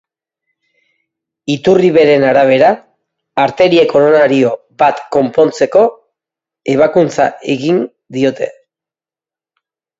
Iturri beren arabera, arteria koronario bat konpontzeko ebakuntza egin diote.